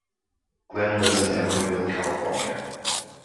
Glenn lives in Emeryville, California.